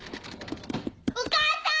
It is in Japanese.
お母さん！